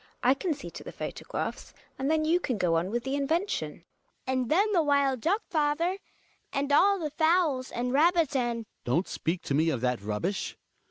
I can see to the photo graphs, and then you can go on with the invention. Hedvig. And then the wild duck, father, and all the fowls and rabbits and Hjalmar. Don't speak to me of that rubbish